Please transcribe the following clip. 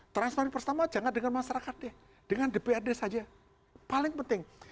transparan pertama jangan dengan masyarakat deh dengan dprd saja paling penting